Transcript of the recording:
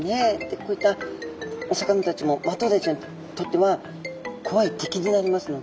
こういったお魚たちもマトウダイちゃんにとっては怖い敵になりますので。